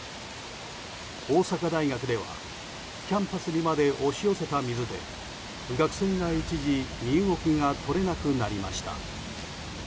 大阪大学ではキャンパスにまで押し寄せた水で学生が一時身動きが取れなくなりました。